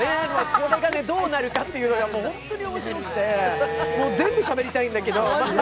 これがどうなるかっていうのが本当に面白くて、全部しゃべりたいんだけど。